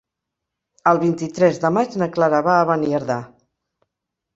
El vint-i-tres de maig na Clara va a Beniardà.